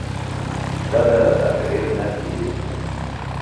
صدرہ تقریر نہ تِھیلیۡ ہِنیۡ۔